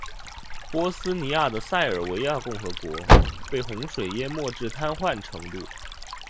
波斯尼亚的塞尔维亚共和国被洪水淹没至瘫痪程度。